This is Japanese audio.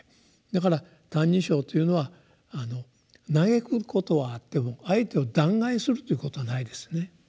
だから「歎異抄」というのは歎くことはあっても相手を弾劾するということはないですね。